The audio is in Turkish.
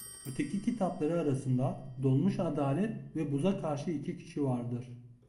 Öteki kitapları arasında "Donmuş Adalet" ve "Buza Karşı İki Kişi" vardır.